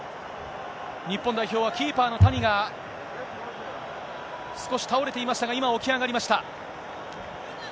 日本代表は、キーパーの谷が少し倒れていましたが、今、起き上がりました。